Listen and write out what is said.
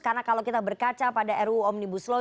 karena kalau kita berkaca pada ruu omnibus law